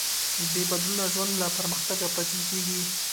بېبدلونه ژوند له پرمختګه پاتې کېږي.